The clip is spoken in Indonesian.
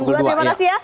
terima kasih ya